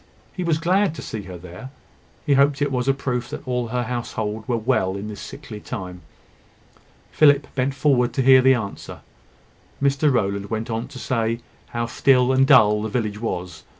He was glad to see her there; he hoped it was a proof that all her household were well in this sickly time. Philip bent forward to hear the answer. Mr Rowland went on to say how still and dull the village was.